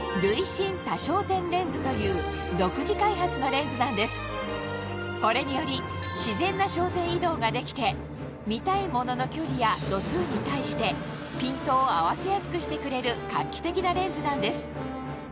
レンズの中心から外側に向かってこれにより自然な焦点移動ができて見たいものの距離や度数に対してピントを合わせやすくしてくれる画期的なレンズなんです